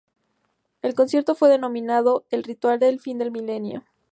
El concierto fue denominado El ritual del fin de milenio.